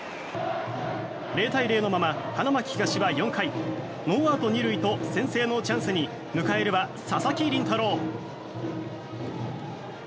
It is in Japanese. ０対０のまま花巻東は４回ノーアウト２塁と先制のチャンスに迎えるは佐々木麟太郎。